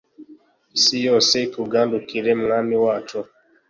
Isi yose ikugandukire mwami wacu